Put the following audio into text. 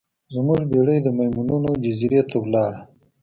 زموږ بیړۍ د میمونونو جزیرې ته لاړه.